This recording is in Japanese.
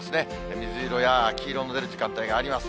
水色や黄色の出る時間帯もあります。